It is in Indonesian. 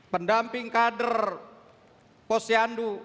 pendamping kader posyandu